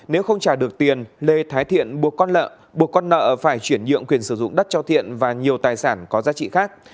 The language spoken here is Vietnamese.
nếu không trả được tiền lê thái thiện buộc con nợ phải chuyển nhượng quyền sử dụng đất cho thiện và nhiều tài sản có giá trị khác